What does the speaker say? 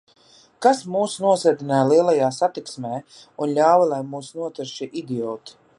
Kas mūs nosēdināja lielajā satiksmē un ļāva, lai mūs notver šie idioti?